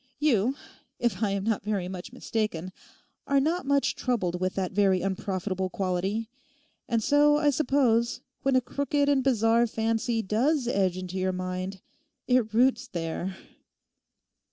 You, if I am not very much mistaken, are not much troubled with that very unprofitable quality, and so, I suppose, when a crooked and bizarre fancy does edge into your mind it roots there.